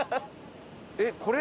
えっこれ？